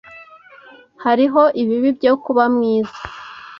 Hariho ibibi byo kuba mwiza.